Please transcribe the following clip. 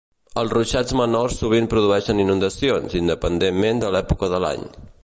Els ruixats menors sovint produeixen inundacions, independentment de l'època de l'any.